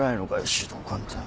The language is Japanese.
指導官って。